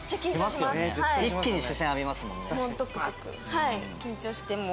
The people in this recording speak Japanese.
はい緊張してもう。